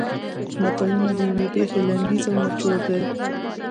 متلونه د یوې پېښې لنډیز او نچوړ دي